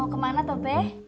mau kemana tobeh